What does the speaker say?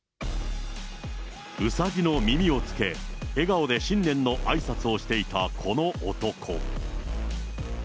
うさぎの耳をつけ、笑顔で新年のあいさつをしていたこの男。